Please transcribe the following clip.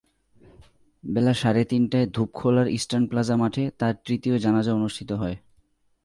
বেলা সাড়ে তিনটায় ধূপখোলার ইস্টার্ন প্লাজা মাঠে তাঁর তৃতীয় জানাজা অনুষ্ঠিত হয়।